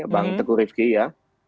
bang teguh rifki ya